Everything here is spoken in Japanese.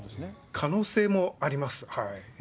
可能性もあります。